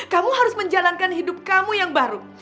kamu harus menjalankan hidup kamu yang baru